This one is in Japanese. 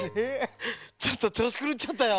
ちょっとちょうしくるっちゃったよ。